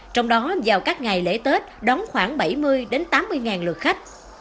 trong đó vào các ngày lễ tết đóng khoảng bảy mươi tám mươi ngàn lượt khách